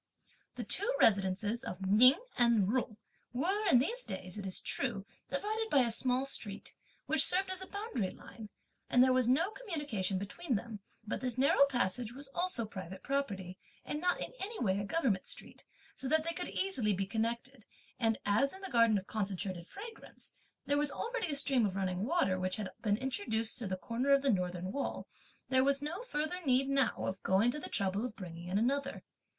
The two residences of Ning and Jung were, in these days, it is true, divided by a small street, which served as a boundary line, and there was no communication between them, but this narrow passage was also private property, and not in any way a government street, so that they could easily be connected, and as in the garden of Concentrated Fragrance, there was already a stream of running water, which had been introduced through the corner of the Northern wall, there was no further need now of going to the trouble of bringing in another.